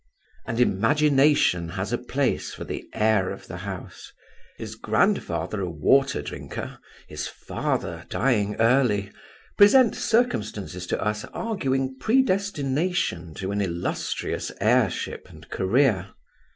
And imagination has a place for the heir of the house. His grandfather a water drinker, his father dying early, present circumstances to us arguing predestination to an illustrious heirship and career.